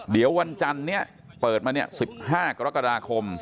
เดี๋ยววันจันทร์นี้เปิดมา๑๕กรกฎาคม